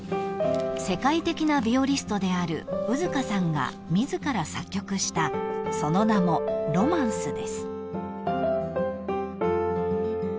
［世界的なビオリストである兎束さんが自ら作曲したその名も『ＲＯＭＡＮＣＥ』です］